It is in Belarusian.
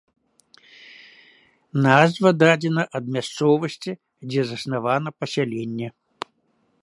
Назва дадзена ад мясцовасці, дзе заснавана пасяленне.